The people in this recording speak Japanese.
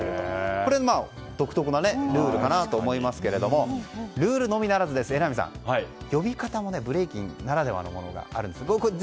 これは独特なルールかなと思いますがルールのみならず、榎並さん呼び方もブレイキンならではのものがあるんです。